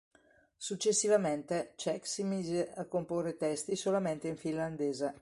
Successivamente, Cheek si mise a comporre testi solamente in finlandese.